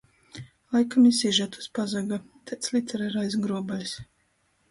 Laikam i sižetus pazoga, taids literarais gruobaļs...